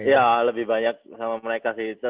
iya lebih banyak sama mereka sih